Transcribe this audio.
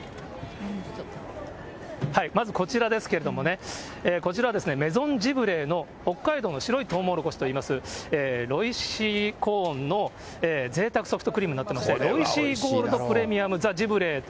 まずこちらですけれどもね、こちら、メゾン・ジブレーの北海道の白いトウモロコシといいます、ロイシーコーンのぜいたくソフトクリームになってまして、ロイシーゴールドザ・ジブレー。